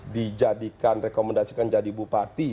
dijadikan rekomendasikan jadi bupati